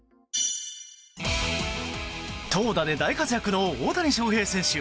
投打で大活躍の大谷翔平選手。